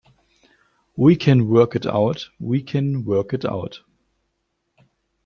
We can work it out, we can work it out!